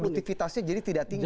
produktivitasnya jadi tidak tinggi